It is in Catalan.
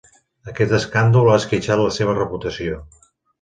Aquest escàndol ha esquitxat la seva reputació.